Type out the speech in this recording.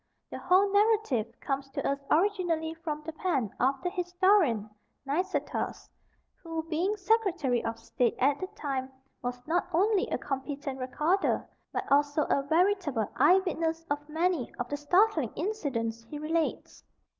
The whole narrative comes to us originally from the pen of the historian Nicetas, who, being Secretary of State at the time, was not only a competent recorder, but also a veritable eyewitness of many of the startling incidents he relates.